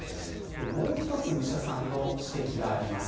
もう一つ武者さんの指摘があります。